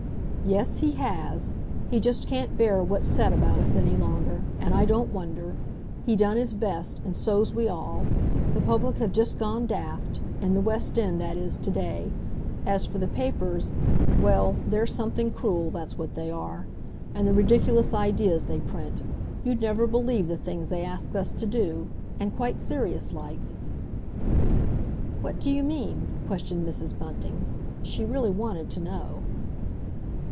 "Yes, he has. He just can't bear what's said about us any longer—and I don't wonder! He done his best, and so's we all. The public have just gone daft—in the West End, that is, to day. As for the papers, well, they're something cruel—that's what they are. And the ridiculous ideas they print! You'd never believe the things they asks us to do—and quite serious like." "What d'you mean?" questioned Mrs. Bunting. She really wanted to know.